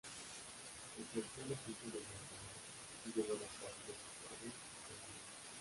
Ejerció el oficio de mercader, siguiendo los pasos de su padre, en Sevilla.